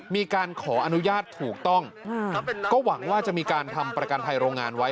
มีการขออนุญาตถูกต้องก็หวังว่าจะมีการทำประกันภัยโรงงานไว้